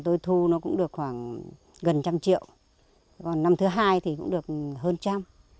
tôi thu nó cũng được khoảng gần trăm triệu còn năm thứ hai thì cũng được hơn trăm